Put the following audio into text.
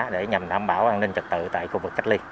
để nhằm đảm bảo an ninh trật tự tại khu vực cách ly